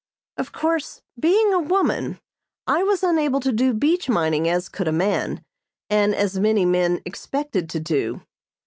Of course, being a woman, I was unable to do beach mining as could a man, and as many men expected to do.